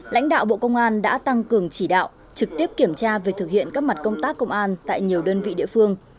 lãnh đạo bộ công an đã tăng cường chỉ đạo trực tiếp kiểm tra việc thực hiện các mặt công tác công an tại nhiều đơn vị địa phương